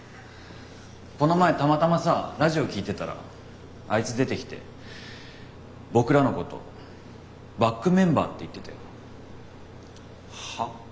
この前たまたまさラジオ聞いてたらあいつ出てきて僕らのこと「バックメンバー」って言ってたよ。